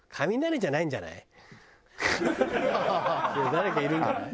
誰かいるんじゃない？